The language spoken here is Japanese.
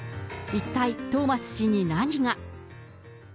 一体、トーマス氏に何が。